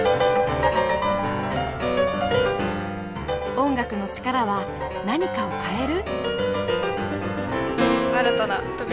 音楽の力は何かを変える？